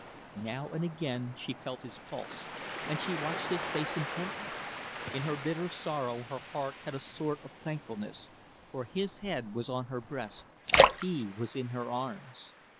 Now and again she felt his pulse, and she watched his face intently. In her bitter sorrow her heart had a sort of thankfulness, for his head was on her breast, he was in her arms.